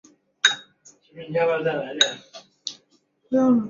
这也是不变质量也被称作静质量的缘故。